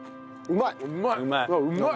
うまいわ。